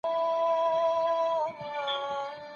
که ټولنه پېچلې وي نو پايله ستونزمنه وي.